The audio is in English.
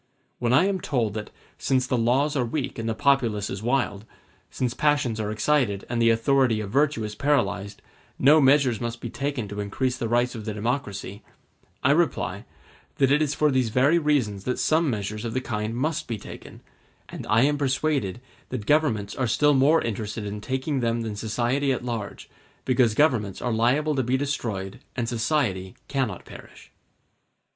When I am told that, since the laws are weak and the populace is wild, since passions are excited and the authority of virtue is paralyzed, no measures must be taken to increase the rights of the democracy, I reply, that it is for these very reasons that some measures of the kind must be taken; and I am persuaded that governments are still more interested in taking them than society at large, because governments are liable to be destroyed and society cannot perish.